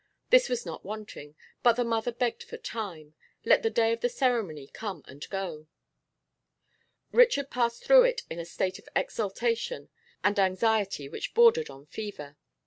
This was not wanting, but the mother begged for time. Let the day of the ceremony come and go. Richard passed through it in a state of exaltation and anxiety which bordered on fever. Mr.